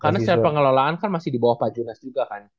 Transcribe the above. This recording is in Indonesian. karena secara pengelolaan kan masih di bawah pajunas juga kan